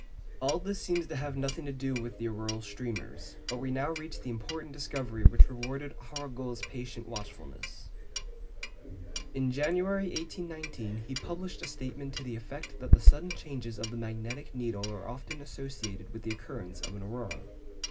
All this seems to have nothing to do with the auroral streamers; but we now reach the important discovery which rewarded Arago's patient watchfulness. In January 1819 he published a statement to the effect that the sudden changes of the magnetic needle are often associated with the occurrence of an aurora.